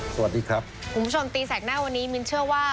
คุณผู้ชมตีแสกหน้าวันนี้มินเชื่อว่า